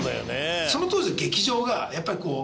その当時の劇場がやっぱりこう